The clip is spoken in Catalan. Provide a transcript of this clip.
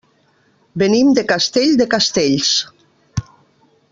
Venim de Castell de Castells.